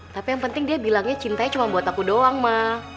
tapi yang penting dia bilangnya cintanya cuma buat aku doang ma